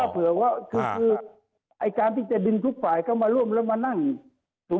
เผื่อว่าไอ้การที่จะดึงทุกฝ่ายเข้ามาร่วมมานั่งดุมหัวกิจกันนี่